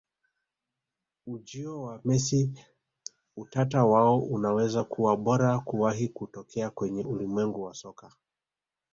Ujio wa Messi Utata wao unaweza kuwa bora kuwahi kutokea kwenye ulimwengu wa soka